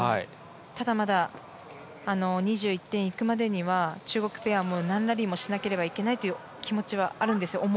ただ、まだ２１点いくまでには中国ペアも何ラリーもしなければいけないという気持ちはあるんです。